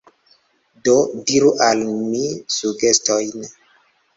Do diru al mi sugestojn.